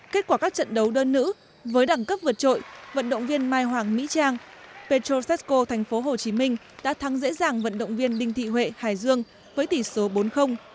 kết quả các trận đấu đơn nữ với đẳng cấp vượt trội vận động viên mai hoàng mỹ trang petroseco tp hcm đã thắng dễ dàng vận động viên đinh thị huệ hải dương với tỷ số bốn